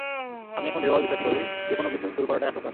আমি এখন দৃঢ়ভাবে বিশ্বাস করি, যেকোনো কিছু শুরু করাটাই আসল কাজ।